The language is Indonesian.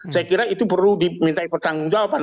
saya kira itu perlu diminta pertanggung jawaban